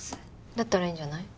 だったらいいんじゃない。